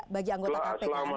bagi anggota kpk